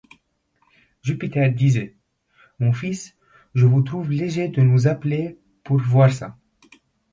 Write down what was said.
Jupiter disait: Mon fils, je vous trouve léger de nous appeler pour voir ça.